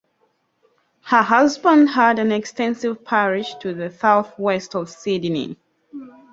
Her husband had an extensive parish to the south-west of Sydney.